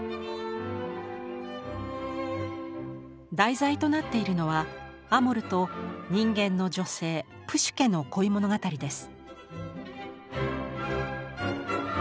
題材となっているのはアモルと人間の女性プシュケの恋物語です。